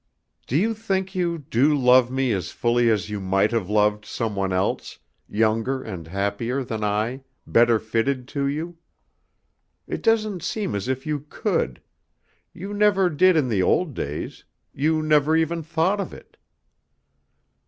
"Do you think you do love me as fully as you might have loved some one else, younger and happier than I, better fitted to you? It doesn't seem as if you could; you never did in the old days, you never even thought of it."